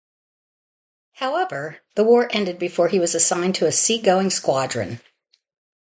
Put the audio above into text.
However, the war ended before he was assigned to a seagoing squadron.